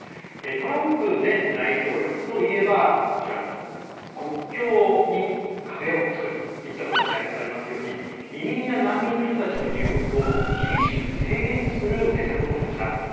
トランプ前大統領といえば国境に壁を作るといったことに代表されますように移民や難民の人たちの入国を厳しく制限する政策を取りました。